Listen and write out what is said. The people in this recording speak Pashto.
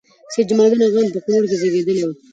سيدجمال الدين افغان په کونړ کې زیږیدلی وه